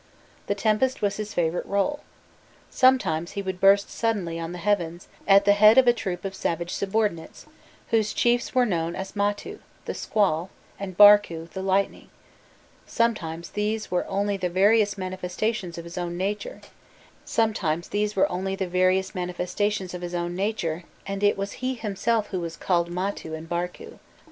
The tempest was his favourite role. Sometimes he would burst suddenly on the heavens at the head of a troop of savage subordinates, whose chiefs were known as Matu, the squall, and Barku, the lightning; sometimes these were only the various manifestations of his own nature, and it was he himself who was called Matu and Barku.